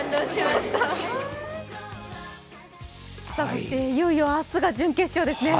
そしていよいよ明日が準決勝ですね。